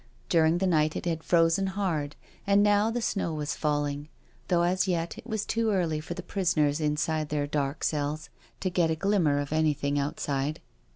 During the night it had frozen hard^ and now the snow was falling, though as yet it was too early for the prisoners inside their dark cells to get a glimmer of anything outside.